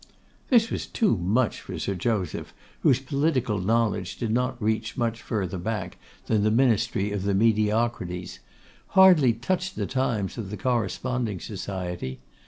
This was too much for Sir Joseph, whose political knowledge did not reach much further back than the ministry of the Mediocrities; hardly touched the times of the Corresponding Society.